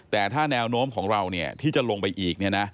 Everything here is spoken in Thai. แต่ถ้าแนวโน้มของเราที่จะลงไปอีก